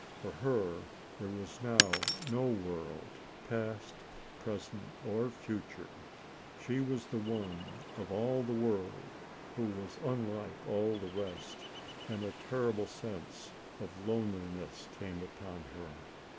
For her there was now no world, past, present, or future. She was the one, of all the world, who was unlike all the rest, and a terrible sense of loneliness came upon her.